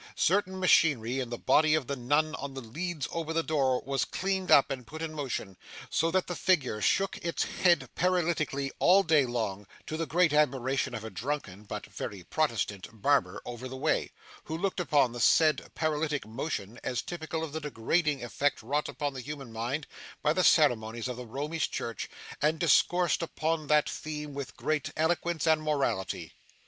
Certain machinery in the body of the nun on the leads over the door was cleaned up and put in motion, so that the figure shook its head paralytically all day long, to the great admiration of a drunken, but very Protestant, barber over the way, who looked upon the said paralytic motion as typical of the degrading effect wrought upon the human mind by the ceremonies of the Romish Church and discoursed upon that theme with great eloquence and morality.